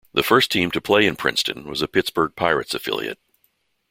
The first team to play in Princeton was a Pittsburgh Pirates affiliate.